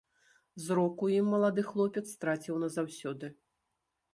Зрок у ім малады хлопец страціў назаўсёды.